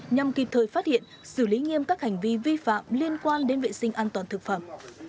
nhằm kịp thời phát hiện xử lý nghiêm các hành vi vi phạm liên quan đến vệ sinh an toàn thực phẩm